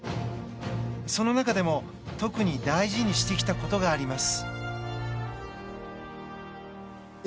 その中でも、特に大事にしてきたことがあります。